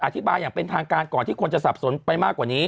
อย่างเป็นทางการก่อนที่คนจะสับสนไปมากกว่านี้